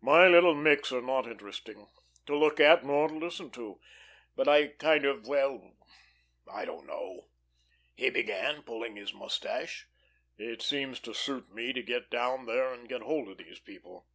My little micks are not interesting to look at nor to listen to. But I, kind of well, I don't know," he began pulling his mustache. "It seems to suit me to get down there and get hold of these people.